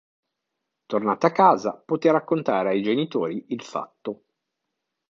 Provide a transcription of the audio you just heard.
Tornata a casa poté raccontare ai genitori il fatto.